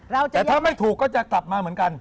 แต่ถ้าไม่ถูกก็จะกลับมาเหมือนกัน